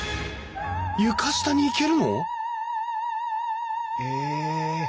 床下に行けるの？え。